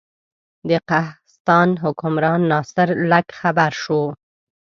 د قهستان حکمران ناصر لک خبر شو.